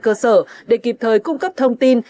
cơ sở để kịp thời cung cấp thông tin